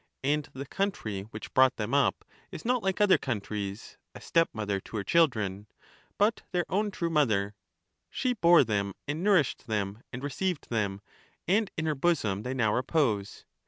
And the country which brought them up is not like other countries, a stepmother to her children, but their own true mother; she bore them and nourished them and re ceived them, and in her bosom they now repose.